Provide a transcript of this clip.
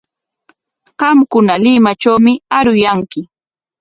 Qamkuna Limatrawmi aruyanki.